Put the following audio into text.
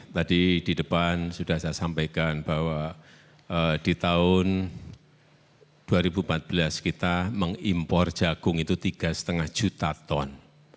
tadi di depan sudah saya sampaikan bahwa di tahun dua ribu empat belas kita mengimpor jagung itu tiga lima juta ton